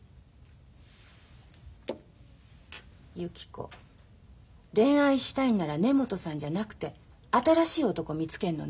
ゆき子恋愛したいんなら根本さんじゃなくて新しい男見つけんのね。